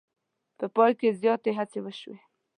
په پای کې زیاتې هڅې وشوې.